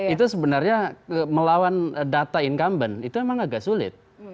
itu sebenarnya melawan data incumbent itu memang agak sulit